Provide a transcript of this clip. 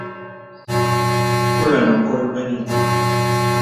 Kūlə̀ nə̀ kol bə̄nē itē.